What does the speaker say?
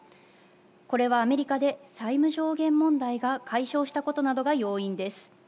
これはアメリカで債務上限問題が解消したことなどが要因です。